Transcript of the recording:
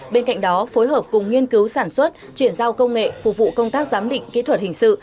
bên cạnh đó phối hợp cùng nghiên cứu sản xuất chuyển giao công nghệ phục vụ công tác giám định kỹ thuật hình sự